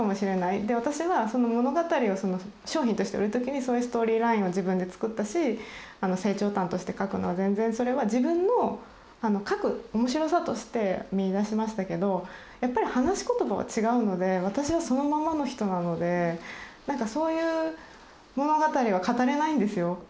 で私はその物語を商品として売るときにそういうストーリーラインを自分で作ったし成長譚として書くのは全然それは自分の書く面白さとして見いだしましたけどやっぱり話し言葉は違うので私はそのままの人なのでそういう物語は語れないんですよ。